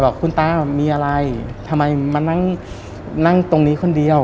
บอกคุณตามีอะไรทำไมมานั่งนั่งตรงนี้คนเดียว